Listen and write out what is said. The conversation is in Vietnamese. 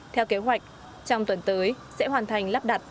theo kế hoạch trong tuần tới sẽ hoàn thành lắp đặt